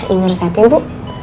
ini resepnya bu